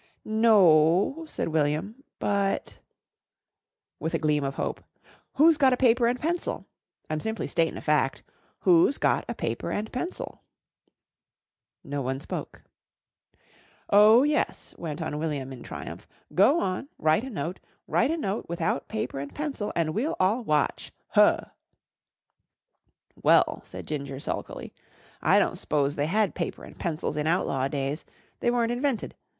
"N oo," said William. "But " with a gleam of hope "who's got a paper and pencil? I'm simply statin' a fact. Who's got a paper and pencil?" No one spoke. "Oh, yes!" went on William in triumph. "Go on! Write a note. Write a note without paper and pencil, and we'll all watch. Huh!" "Well," said Ginger sulkily, "I don't s'pose they had paper and pencils in outlaw days. They weren't invented.